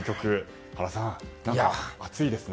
原さん、熱いですね。